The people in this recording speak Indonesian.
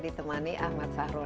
diplojasi perawatan konspor